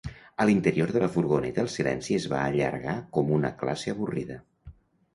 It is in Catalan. A l'interior de la furgoneta el silenci es va allargar com una classe avorrida.